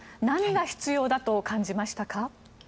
何が必要だと感じましたか？